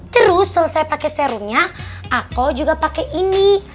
terus selesai pakai serumnya aku juga pakai ini